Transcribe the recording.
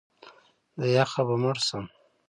د یخه به مړ شم!